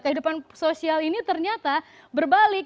kehidupan sosial ini ternyata berbalik